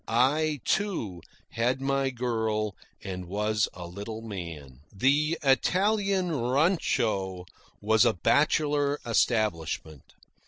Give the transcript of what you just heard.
I, too, had my girl, and was a little man. The Italian rancho was a bachelor establishment.